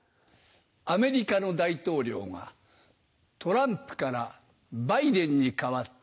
アメリカの大統領がトランプからバイデンに代わった。